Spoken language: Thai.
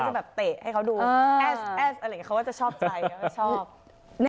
มันจะแบบเตะให้เขาดูแอสอะไรอย่างงี้เขาว่าจะชอบใจ